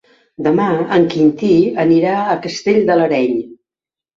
Demà en Quintí anirà a Castell de l'Areny.